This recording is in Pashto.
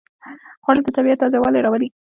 خوړل د طبیعت تازهوالی راولي